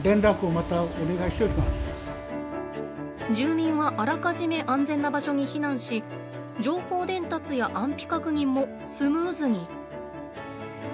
住民はあらかじめ安全な場所に避難し情報伝達や安否確認もスムーズに。